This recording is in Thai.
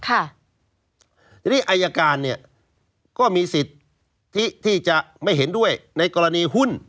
อายการก็มีสิทธิ์ที่จะไม่เห็นด้วยในกรณีหุ้น